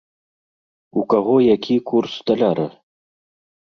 У каго які курс даляра?